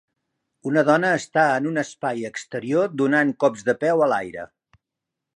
Un dona està en un espai exterior donant cops de peu a l"aire.